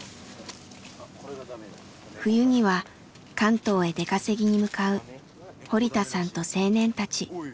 冬には関東へ出稼ぎに向かう堀田さんと青年たち。